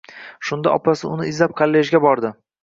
Shunda opasi uni izlab kollejga bordi.